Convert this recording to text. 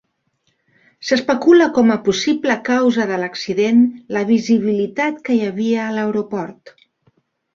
S'especula com a possible causa de l'accident la visibilitat que hi havia a l'aeroport.